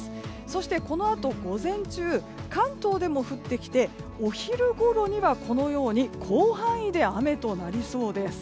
そして、このあと午前中関東でも降ってきてお昼ごろには広範囲で雨となりそうです。